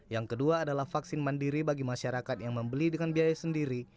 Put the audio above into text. yang kedua adalah vaksin mandiri bagi masyarakat yang membeli dengan biaya sendiri